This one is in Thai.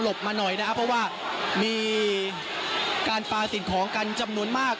มาหน่อยนะครับเพราะว่ามีการปลาสิ่งของกันจำนวนมาก